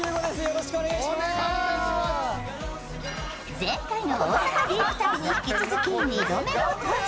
前回の大阪ディープ旅に引き続き２度目の登場。